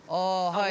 はい。